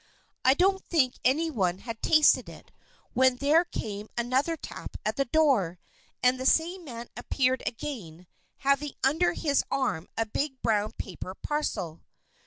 I don't think any one had tasted it, when there came another tap at the door, and the same man appeared again, having under his arm a big brown paper parcel.